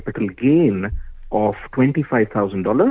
penguntungan dua puluh lima ribu dolar